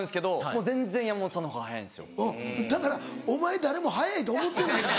うんだからお前誰も速いと思ってないから。